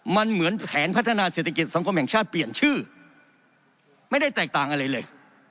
มันเหมือนแผนพัฒนาเศรษฐกิจสังคมแห่งชาติเปลี่ยนชื่อไม่ได้แตกต่างอะไรเลย